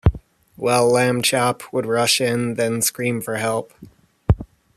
Well, Lamb Chop would rush in, then scream for help.